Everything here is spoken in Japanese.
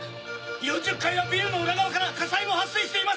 ４０階はビルの裏側から火災も発生しています！